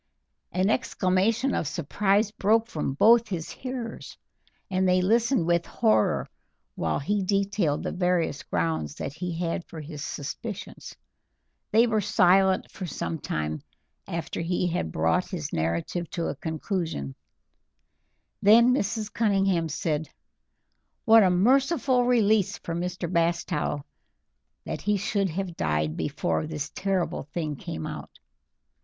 An exclamation of surprise broke from both his hearers, and they listened with horror while he detailed the various grounds that he had for his suspicions. They were silent for some time after he had brought his narrative to a conclusion, then Mrs. Cunningham said: "What a merciful release for Mr. Bastow that he should have died before this terrible thing came out!